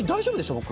僕。